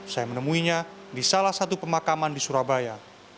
saya menemuinya di salah satu pemakaman di surabaya